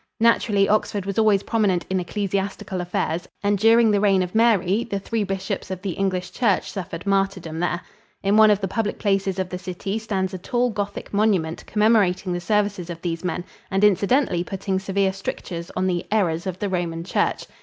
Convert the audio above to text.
Naturally, Oxford was always prominent in ecclesiastical affairs and during the reign of Mary the three bishops of the English church suffered martyrdom there. In one of the public places of the city stands a tall Gothic monument commemorating the services of these men and incidentally putting severe strictures on the "errors" of the Roman church.